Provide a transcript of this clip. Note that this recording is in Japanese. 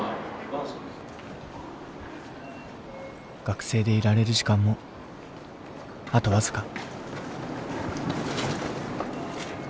学生でいられる時間もあと僅か。